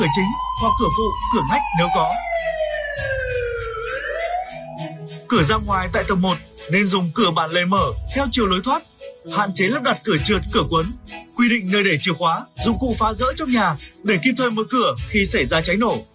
cửa ra ngoài tại tầng một nên dùng cửa bạn lề mở theo chiều lối thoát hạn chế lắp đặt cửa trượt cửa quấn quy định nơi để chìa khóa dụng cụ phá rỡ trong nhà để kịp thời mở cửa khi xảy ra cháy nổ